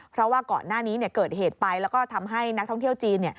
เพราะว่าก่อนหน้านี้เกิดเหตุไปแล้วก็ทำให้นักท่องเที่ยวจีน